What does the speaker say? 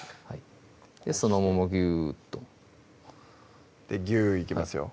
そのままギューッとギューいきますよ